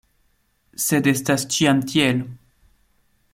Sed estas ĉiam tiel.